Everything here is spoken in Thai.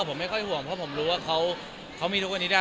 ผมไม่ค่อยห่วงเพราะผมรู้ว่าเขามีทุกวันนี้ได้